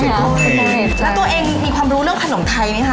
น่าตัวเองมีความรู้เรื่องขนมไทยนะคะ